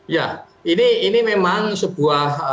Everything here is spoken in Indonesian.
ya ini memang sebuah